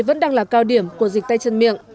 vẫn đang là cao điểm của dịch tay chân miệng